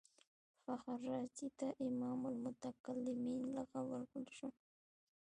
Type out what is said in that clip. فخر رازي ته امام المتکلمین لقب ورکړل شو.